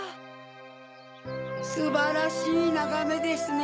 すばらしいながめですね！